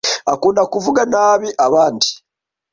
Akunda kuvuga nabi abandi.